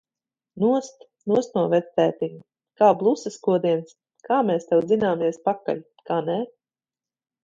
Nost! Nost no vectētiņa! Kā blusas kodiens. Kā mēs tev dzināmies pakaļ! Kā nē?